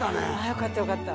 よかったよかった